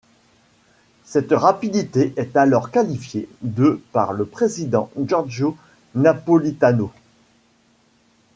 Cette rapidité est alors qualifiée de par le président Giorgio Napolitano.